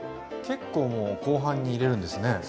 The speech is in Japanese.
結構もう後半に入れるんですね。